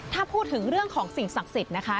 ถ้าพูดถึงเรื่องของสิ่งศักดิ์สิทธิ์นะคะ